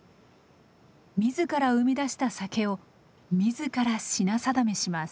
自ら生み出した酒を自ら品定めします。